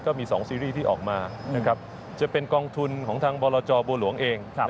ก็มี๒ซีรีส์ที่ออกมานะครับจะเป็นกองทุนของทางบรจบัวหลวงเอง